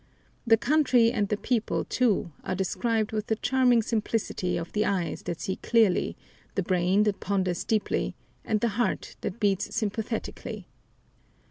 The country and the people, too, are described with the charming simplicity of the eyes that see clearly, the brain that ponders deeply, and the heart that beats sympathetically.